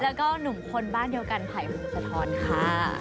แล้วก็หนุ่มคนบ้านเดียวกันภัยคุณสะท้อนค่ะ